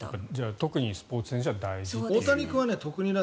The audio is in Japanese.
特にスポーツ選手は大事と。